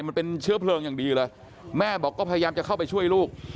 มันเป็นเชื้อเพลิงอย่างดีเลยแม่บอกก็พยายามจะเข้าไปช่วยลูก